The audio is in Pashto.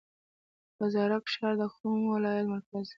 بازارک ښار د کوم ولایت مرکز دی؟